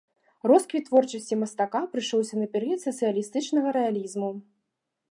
Росквіт творчасці мастака прыйшоўся на перыяд сацыялістычнага рэалізму.